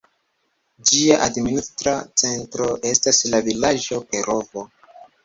Ĝia administra centro estas la vilaĝo Perovo.